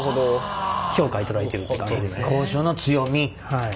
はい。